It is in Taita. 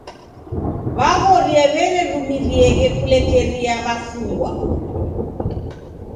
W'aghorie w'ererumirieghe kulekeria w'afungwa.